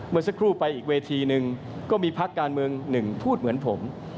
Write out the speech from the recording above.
เมื่อสักครู่ไปอีกเวทีนึงก็มีพักการเมืองหนึ่งพูดเหมือนผม